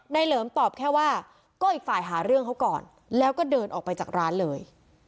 เหลิมตอบแค่ว่าก็อีกฝ่ายหาเรื่องเขาก่อนแล้วก็เดินออกไปจากร้านเลย